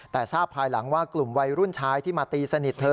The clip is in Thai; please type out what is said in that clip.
แต่ทราบภายหลังว่ากลุ่มวัยรุ่นชายที่มาตีสนิทเธอ